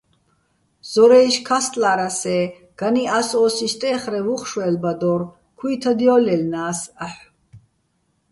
ზორა́ჲში̆ ქასტლა́რას-ე́, განი́ ას ო́სი სტე́ხრევ უ̂ხ შვე́ლბადო́რ, ქუ́ჲთად ჲო́ლჲაჲლნა́ს აჰ̦ო̆.